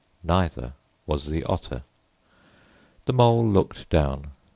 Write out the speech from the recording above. Neither was the Otter. The Mole looked down.